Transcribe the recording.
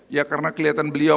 ya karena kelihatan beliau